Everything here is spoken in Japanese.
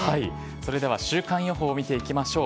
それでは、週間予報を見ていきましょう。